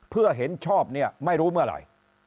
เพื่อเห็นชอบเนี่ยไม่รู้เมื่อไหร่